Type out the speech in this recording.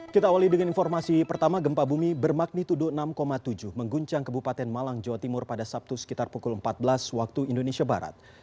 kita awali dengan informasi pertama gempa bumi bermagnitudo enam tujuh mengguncang kebupaten malang jawa timur pada sabtu sekitar pukul empat belas waktu indonesia barat